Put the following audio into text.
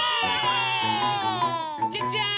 じゃじゃん！